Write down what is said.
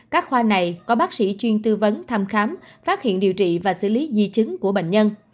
các khoa này có bác sĩ chuyên tư vấn thăm khám phát hiện điều trị và xử lý di chứng của bệnh nhân